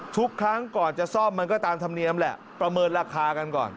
ทุกครั้งก่อนจะซ่อมมันก็ตามธรรมเนียมแหละประเมินราคากันก่อน